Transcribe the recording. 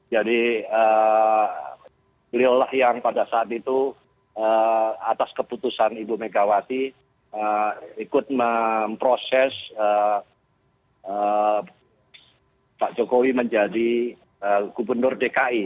jadi beliau lah yang pada saat itu atas keputusan ibu megawati ikut memproses pak jokowi menjadi gubernur dki